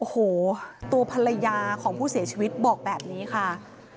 โอ้โหตัวภรรยาของผู้เสียชีวิตบอกแบบนี้ค่ะ